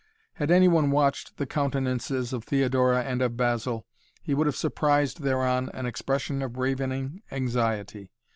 Had any one watched the countenances of Theodora and of Basil he would have surprised thereon an expression of ravening anxiety.